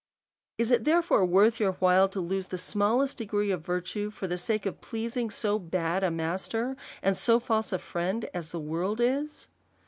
Is it, therefore, \vorth your while to lose the small est degree of virtue, for the sake of pleasing so bad a master, and so false a friend as the world is